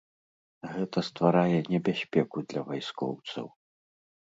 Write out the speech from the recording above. Гэта стварае небяспеку для вайскоўцаў.